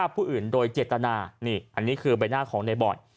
ผู้อื่นโดยเจตนานี่อันนี้คือใบหน้าของในบอย